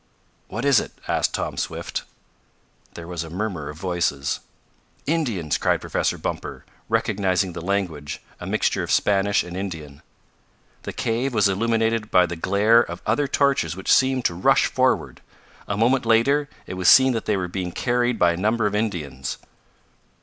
"What is it?" asked Tom Swift. There was a murmur of voices. "Indians!" cried Professor Bumper, recognizing the language a mixture of Spanish and Indian. The cave was illuminated by the glare of other torches which seemed to rush forward. A moment later it was seen that they were being carried by a number of Indians.